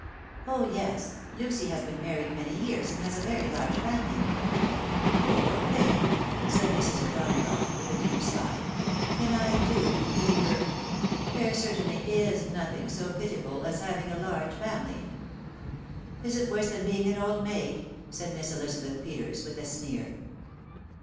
Oh yes ! Lucy has been married many years, and has a very large family !"" Poor thing !" said Mrs. O'Donagough with a deep sigh ;" then I do pity her ! There certainly is nothing so pitiable as having a large family I "" Is it worse than being an old maid? " said Miss Ehza beth Peters, 'with a sneer.